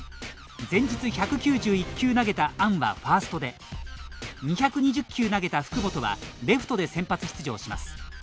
前日１９１球投げたアンはファーストで２２０球投げた福本はレフトで先発出場します。